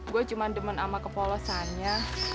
gue cuma demen sama kepolesannya